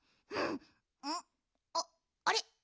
んあっあれ？